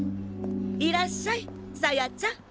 いらっしゃい紗耶ちゃん。